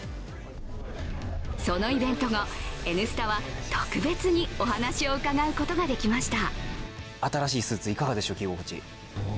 そのイベント後、「Ｎスタ」は特別にお話を伺うことができました。